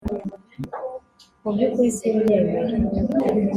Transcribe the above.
mu byukuri simbyemera